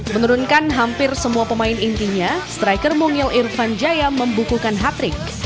menurunkan hampir semua pemain intinya striker mungil irfan jaya membukukan hat trick